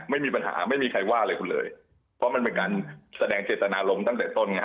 ไม่มีปัญหาไม่มีใครว่าอะไรคุณเลยเพราะมันเป็นการแสดงเจตนารมณ์ตั้งแต่ต้นไง